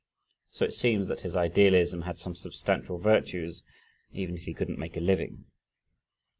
So it seems that his idealism had some substantial virtues, even if he couldn't make a living.